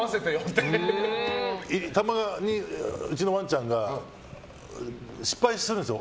たまにうちのワンちゃんが失敗するんですよ。